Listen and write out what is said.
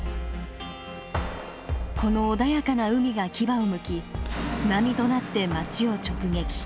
この穏やかな海が牙をむき津波となって町を直撃。